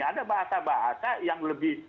ada bahasa bahasa yang lebih